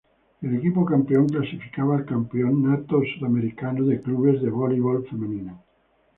El equipo campeón clasificaba al Campeonato Sudamericano de Clubes de Voleibol Femenino.